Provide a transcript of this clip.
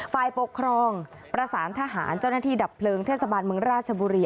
ฝ่ายปกครองประสานทหารเจ้าหน้าที่ดับเพลิงเทศบาลเมืองราชบุรี